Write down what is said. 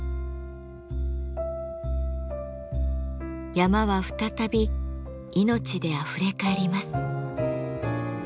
山は再び命であふれかえります。